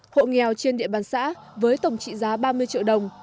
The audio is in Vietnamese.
hộ nghèo trên địa bàn xã với tổng trị giá ba mươi triệu đồng